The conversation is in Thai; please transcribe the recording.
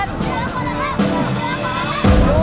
หนาวไม่ได้กระเย็น